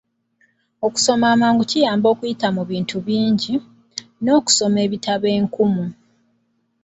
Okusoma amangu kugasa okuyita mu bintu ebingi, n'okusoma ebitabo enkumu.